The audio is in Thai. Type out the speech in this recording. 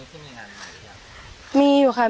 ตอนนี้ที่มีงานหรือยัง